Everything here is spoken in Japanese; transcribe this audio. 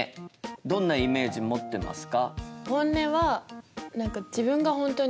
どんなイメージ持ってますか？